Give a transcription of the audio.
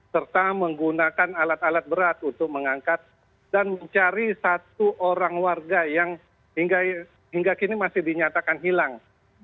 serta menggunakan alat alat berat untuk mengangkat dan mencari satu orang warga yang hingga kini masih dinyatakan hilang